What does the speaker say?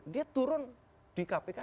dia turun di kpk